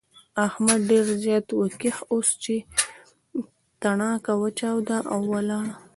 احمد ډېر زیار وکيښ اوس يې تڼاکه وچاوده او ولاړ.